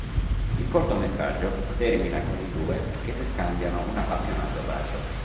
Il cortometraggio termina con i due che si scambiano un appassionato bacio.